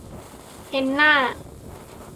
เฮนน่า